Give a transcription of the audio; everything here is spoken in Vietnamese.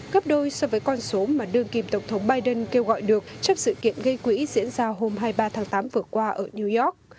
gấp đôi so với con số mà đơn kim tổng thống biden kêu gọi được trong sự kiện gây quỹ diễn ra hôm hai mươi ba tháng tám